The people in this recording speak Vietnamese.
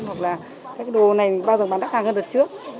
hoặc là cái đồ này bao giờ bán đắt hàng hơn đợt trước